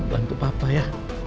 bantu papa ya